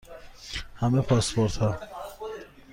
همه پاسپورت ها